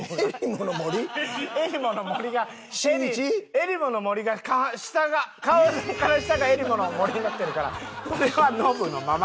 『襟裳』の森が下が顔から下が『襟裳』の森になってるからそれはノブのまま。